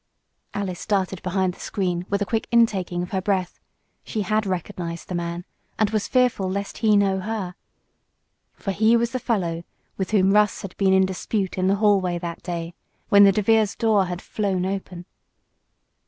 Alice darted behind the screen with a quick intaking of her breath. She had recognized the man, and was fearful lest he know her. For he was the fellow with whom Russ had been in dispute in the hallway that day, when the DeVeres' door had flown open.